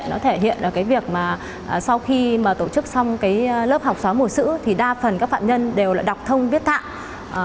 nó thể hiện được việc sau khi tổ chức xong lớp học xóa mù chữ thì đa phần các phạm nhân đều đọc thông viết thạng